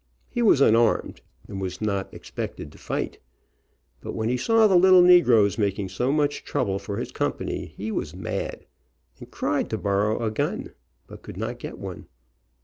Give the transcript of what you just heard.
He was unarmed, and was not expected to fight, but when he saw the little negroes making so much trouble for his company, he was mad, and cried to borrow a gun, but could not get one.